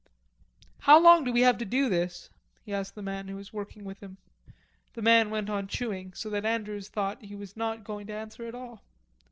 "How long do we have to do this?" he asked the man who was working with him. The man went on chewing, so that Andrews thought he was not going to answer at all.